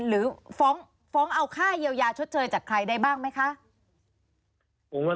หรือฟ้องเอาค่าเยียวยาชดเชยจากใครได้บ้างไหมคะ